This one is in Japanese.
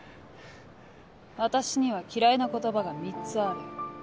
私には嫌いな言葉が３つある。